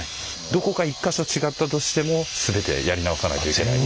どこか１か所違ったとしても全てやり直さないといけない。